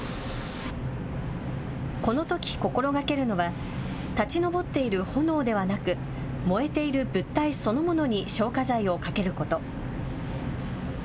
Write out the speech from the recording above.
このとき心がけるのは立ち上っている炎ではなく燃えている物体そのものに消火剤をかけること。